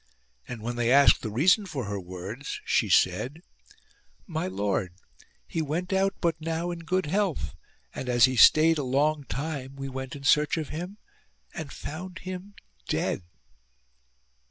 And, when they asked the reason for her words, she said :" My lord, he went out but now in good health, and, as he stayed a long time, we went in search of him, and found him dead."